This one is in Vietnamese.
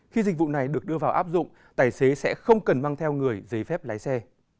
khi dịch vụ này được đưa vào áp dụng tài xế sẽ không cần mang theo người giấy phép lái xe